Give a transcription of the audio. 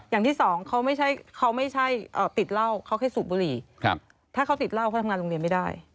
อย่างที่สองเขาไม่ใช่ติดเหล้าเขาแค่สูบบุหรี่ถ้าเขาติดเหล้าเขาทำงานโรงเรียนไม่ได้